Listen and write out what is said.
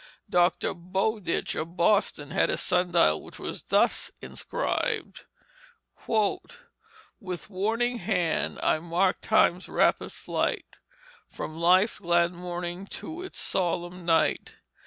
Dr. Bowditch, of Boston, had a sun dial which was thus inscribed: "With warning hand I mark Times rapid flight From life's glad morning to its solemn night.